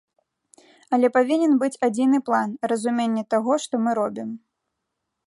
Але павінен быць адзіны план, разуменне таго, што мы робім.